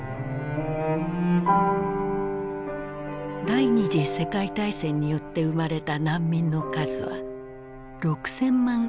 第二次世界大戦によって生まれた難民の数は６，０００万以上といわれる。